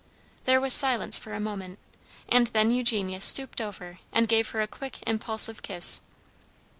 There was silence for a moment, and then Eugenia stooped over and gave her a quick, impulsive kiss.